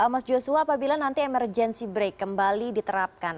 mas joshua apabila nanti emergency break kembali diterapkan